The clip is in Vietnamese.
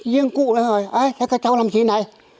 riêng cụ nói rồi ấy thế các cháu làm gì này